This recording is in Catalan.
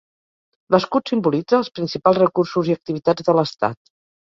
L'escut simbolitza els principals recursos i activitats de l'estat.